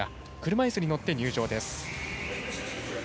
車いすに乗って入場です。